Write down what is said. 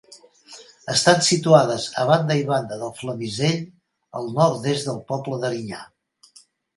Estan situades a banda i banda del Flamisell, al nord-est del poble d'Erinyà.